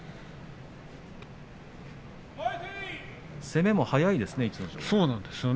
攻めも速いですね、逸ノ城。